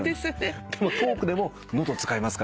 でもトークでも喉使いますからね。